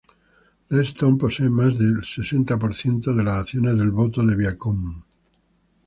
Redstone posee más del setenta por ciento de las acciones de voto de Viacom.